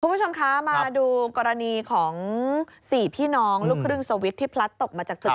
คุณผู้ชมคะมาดูกรณีของ๔พี่น้องลูกครึ่งสวิตช์ที่พลัดตกมาจากตึก